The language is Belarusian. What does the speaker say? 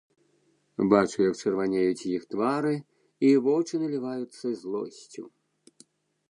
Бачу, як чырванеюць іх твары і вочы наліваюцца злосцю.